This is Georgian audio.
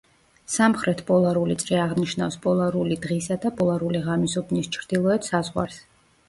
სამხრეთ პოლარული წრე აღნიშნავს პოლარული დღისა და პოლარული ღამის უბნის ჩრდილოეთ საზღვარს.